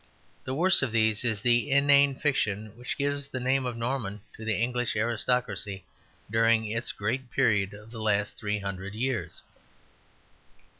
The worst of these is the inane fiction which gives the name of Norman to the English aristocracy during its great period of the last three hundred years.